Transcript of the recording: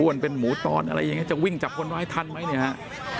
อ้วนเป็นหมูตอนอะไรอย่างเงี้ยจะวิ่งจับคนไว้ทันไหมเนี้ยฮะค่ะ